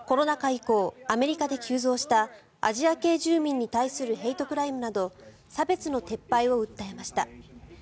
以降アメリカで急増したアジア系住民に対するヘイトクライムなど差別の撤廃を訴えました。